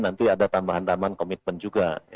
nanti ada tambahan tambahan komitmen juga